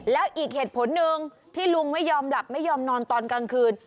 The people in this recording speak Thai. แล้วอีกเหตุผลหนึ่งที่ลุงไม่ยอมหลับไม่ยอมนอนตอนกลางคืน